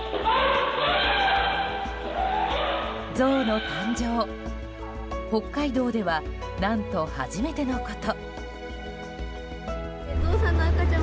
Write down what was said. ゾウの誕生、北海道では何と初めてのこと。